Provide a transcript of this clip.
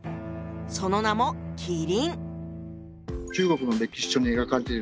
その名も麒麟！